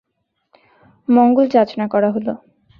মঙ্গল যাচনা করা হলো।